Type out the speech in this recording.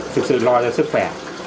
thực sự lo cho sức khỏe